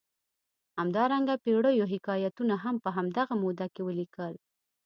همدارنګه پېړیو حکایتونه هم په همدغه موده کې ولیکل.